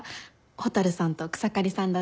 蛍さんと草刈さんだって。